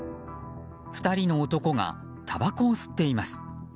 ２人の男がたばこを吸っています。